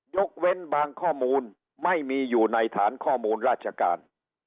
ยกเว้นบางข้อมูลไม่มีอยู่ในฐานข้อมูลราชการ